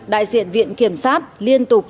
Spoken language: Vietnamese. đại diện viện kiểm sát liên tục